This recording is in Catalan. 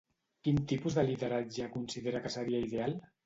Quin tipus de lideratge considera que seria ideal?